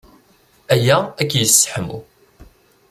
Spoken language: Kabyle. Aya ad k-yesseḥmu.